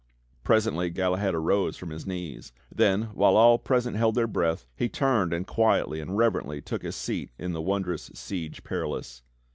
Presently Galahad arose from his knees; then, while all present held their breath, he turned and quietly and reverently took his seat in the wondrous Siege Perilous.